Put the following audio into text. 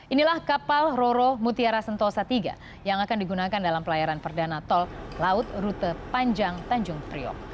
inilah kapal roro mutiara sentosa iii yang akan digunakan dalam pelayaran perdana tol laut rute panjang tanjung priok